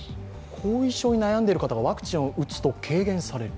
後遺症に悩んでいる方がワクチンを打つと軽減される？